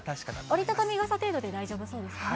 折り畳み傘程度で大丈夫です